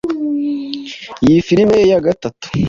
iyi film ye ya gatatu